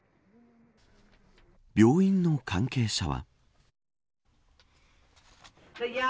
病院の関係者は。